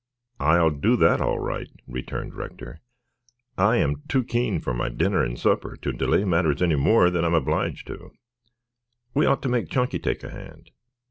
"I'll do that all right," returned Rector. "I am too keen for my dinner and supper to delay matters any more than I am obliged to. We ought to make Chunky take a hand."